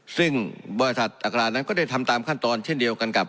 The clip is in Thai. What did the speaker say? ซึ่งบริษัทอัครานั้นก็ได้ทำตามขั้นตอนเช่นเดียวกันกับ